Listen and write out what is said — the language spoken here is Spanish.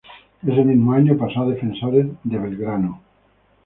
En ese mismo año pasó a Defensores de Belgrano.